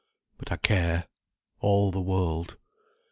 —But I care—all the world."